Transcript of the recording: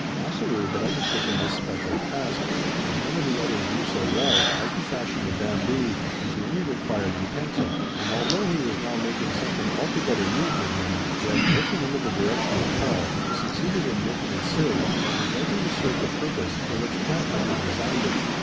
Ossaroo had undertaken this special task: as none of the others knew so well, how to fashion the bamboo into any required utensil; and although he was now making something altogether new to him, yet, working under the direction of Karl, he succeeded in making a sieve that was likely to serve the purpose for which plant hunter designed it.